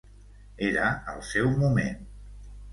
Era el seu moment.